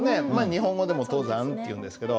日本語でも「登山」って言うんですけど。